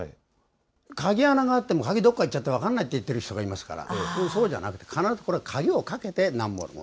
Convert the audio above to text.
鍵穴があっても、鍵がどっかいっちゃって分かんないって言ってる人がいますから、そうじゃなくて、必ずこれ鍵をかけてなんぼのもの。